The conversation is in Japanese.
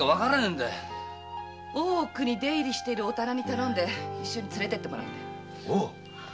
大奥に出入りしてるお店に頼んで連れてってもらうんだよ。